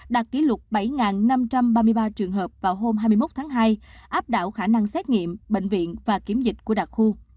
đạt kỷ lục bảy năm trăm ba mươi ba trường hợp vào hôm hai mươi một tháng hai áp đảo khả năng xét nghiệm bệnh viện và kiểm dịch của đặc khu